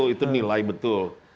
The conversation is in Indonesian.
itu nilai betul